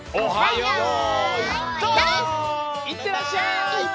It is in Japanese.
いってらっしゃい！